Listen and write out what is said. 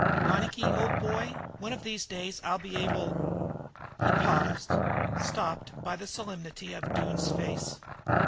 Ronicky, old boy, one of these days I'll be able " He paused, stopped by the solemnity of Doone's face.